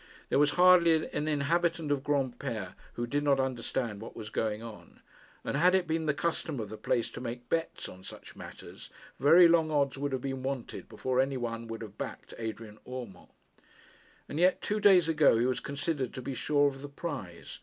There was hardly an inhabitant of Granpere who did not understand what was going on; and, had it been the custom of the place to make bets on such matters, very long odds would have been wanted before any one would have backed Adrian Urmand. And yet two days ago he was considered to be sure of the prize.